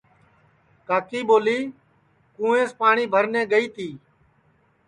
کاکی ٻولی کُوینٚس پاٹؔی بھر نے گئی تی